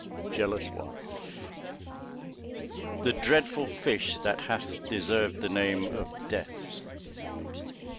"Jealous Wife." The dreadful fish that hath deserved the name Of Death.